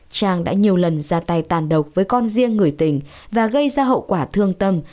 trang đã nhiều lần ra tay tàn độc với con riêng người tình và gây ra hậu quả thương tâm